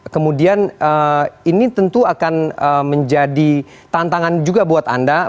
kemudian ini tentu akan menjadi tantangan juga buat anda